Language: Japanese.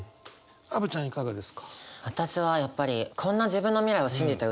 アヴちゃんいかがですか？